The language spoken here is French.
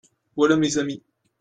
Voilà mes amis.